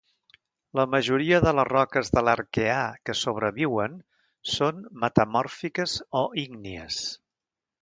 La majoria de les roques de l'Arqueà que sobreviuen són metamòrfiques o ígnies.